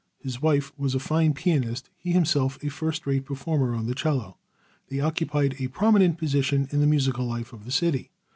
His wife was a fine pianist, he himself a first rate performer on the cello. They occupied a prominent position in the musical life of the city.